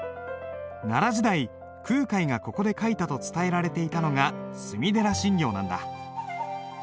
奈良時代空海がここで書いたと伝えられていたのが隅寺心経なんだ。